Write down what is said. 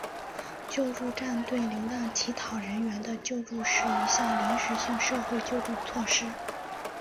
救助站对流浪乞讨人员的救助是一项临时性社会救助措施。